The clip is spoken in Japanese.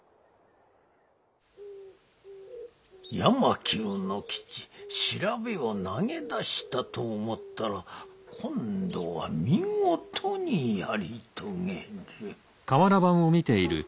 「八巻卯之吉調べを投げ出したと思ったら今度は見事にやり遂げる」。